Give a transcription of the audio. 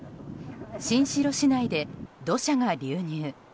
新城市内で土砂が流入。